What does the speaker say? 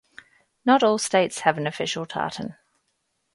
Not all states have an official tartan.